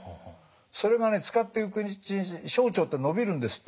それがね使っていくうちに小腸って伸びるんですって。